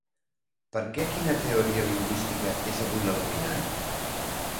Perquè quina teoria lingüística és avui la dominant?